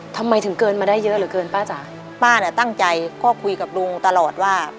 ทำไมถึงเกินมาได้เยอะเหลือเกินป้าจ๋าป้าน่ะตั้งใจก็คุยกับลุงตลอดว่า